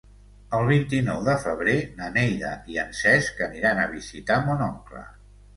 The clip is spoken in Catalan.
El vint-i-nou de febrer na Neida i en Cesc aniran a visitar mon oncle.